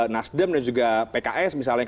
nasdem dan juga pks misalnya